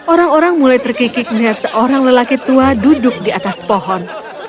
orang orang mulai terkikik melihat seorang lelaki tua duduk di atas pohon